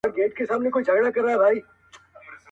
دا سیکي چلېږي دا ویناوي معتبري دي.